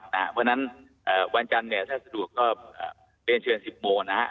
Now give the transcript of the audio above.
เพราะฉะนั้นวันจันทร์ถ้าสะดวกก็เป็นเชิญ๑๐โมงนะครับ